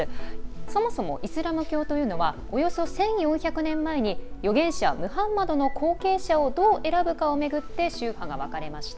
そもそもイスラム教というのはおよそ１４００年前に預言者ムハンマドの後継者をどう選ぶかをめぐって宗派が分かれました。